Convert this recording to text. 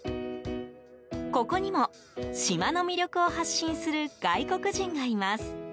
ここにも、島の魅力を発信する外国人がいます。